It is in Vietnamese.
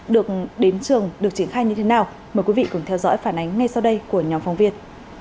được đến trường được triển khai như thế nào mời quý vị cùng theo dõi phản ánh ngay sau đây của nhóm phóng viên